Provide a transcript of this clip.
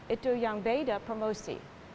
itu yang beda promosi